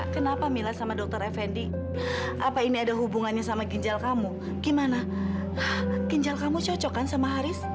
kenapa mila sama dokter effendi apa ini ada hubungannya sama ginjal kamu gimana ginjal kamu cocok kan sama haris